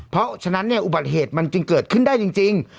เพราะฉะนั้นเนี่ยอุบัติเหตุมันจึงเกิดขึ้นได้จริง